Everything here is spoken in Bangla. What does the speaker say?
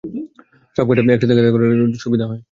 সব কাঠ একসাথে গাদা গাদা করে রাখলে আগুন ধরাতে সুবিধা হয়।